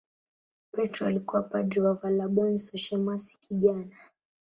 Petro alikuwa padri na Valabonso shemasi kijana.